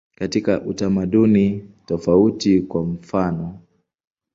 Katika utamaduni tofauti, kwa mfanof.